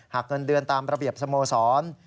หากเงินเดือนตามระเบียบสโมสร